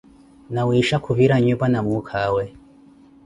nawiisha khuvira nnyupa na mukhawe